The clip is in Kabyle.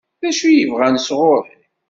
D acu i bɣan sɣur-i?